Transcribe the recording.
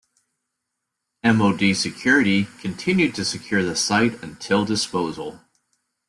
MoD security continued to secure the site until disposal.